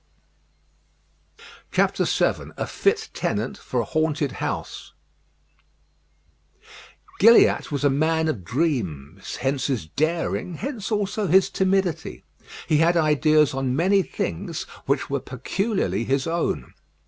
VII A FIT TENANT FOR A HAUNTED HOUSE Gilliatt was a man of dreams, hence his daring, hence also his timidity. He had ideas on many things which were peculiarly his own.